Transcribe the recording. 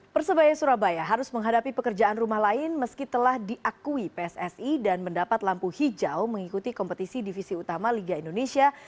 persebaya surabaya harus menghadapi pekerjaan rumah lain meski telah diakui pssi dan mendapat lampu hijau mengikuti kompetisi divisi utama liga indonesia